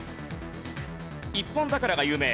一本桜が有名。